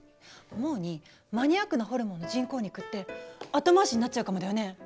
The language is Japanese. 思うにマニアックなホルモンの人工肉って後回しになっちゃうかもだよね？